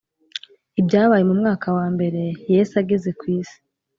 ibyabaye mu mwaka wa Mbere Yesu ageze ku isi